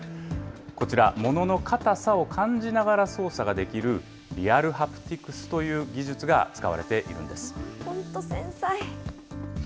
こちら、物の硬さを感じながら操作ができる、リアルハプティクスという技本当、繊細。